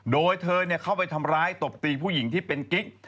โดยเธอเข้าไปทำร้ายตบตีผู้หญิงที่เป็นกิ๊ก